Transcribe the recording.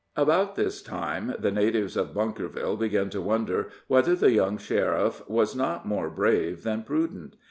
About this time the natives of Bunkerville began to wonder whether the young sheriff was not more brave than prudent.